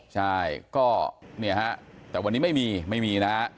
ใช่ก็เนี่ยฮะแต่วันนี้ไม่มีไม่มีนะฮะ